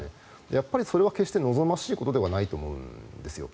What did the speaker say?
やっぱりそれは決して望ましいことではないと思うんですよ。